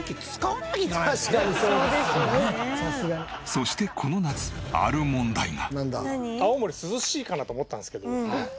そしてこの夏ある問題が！